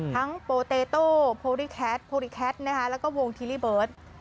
ทั้งโปเตโต้โพลิแคทโพลิแคทแล้วก็วงทิริเบิร์ต